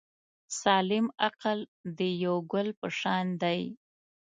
سالم عقل د یو ګل په شان دی.